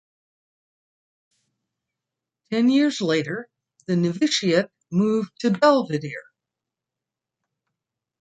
Ten years later, the novitiate moved to Belvidere.